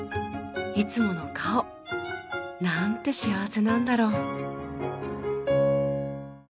いつもの顔。なんて幸せなんだろう。